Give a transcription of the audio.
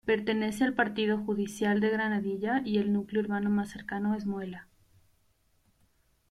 Pertenece al partido judicial de Granadilla y el núcleo urbano más cercano es Muela.